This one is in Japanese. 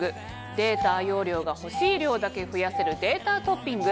データ容量が欲しい量だけ増やせるデータトッピング。